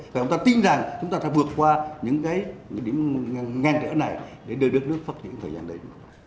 và chúng ta tin rằng chúng ta sẽ vượt qua những cái điểm ngang trở này để đưa đất nước phát triển thời gian đấy